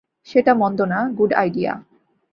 সেটা মন্দ না, গুড আইডিয়া।